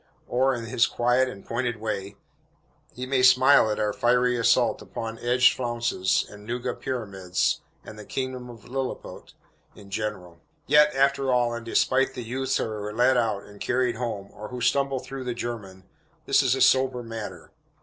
Or, in his quiet and pointed way, he may smile at our fiery assault upon edged flounces, and nuga pyramids, and the kingdom of Lilliput in general. Yet, after all, and despite the youths who are led out, and carried home, or who stumble through the "German," this is a sober matter.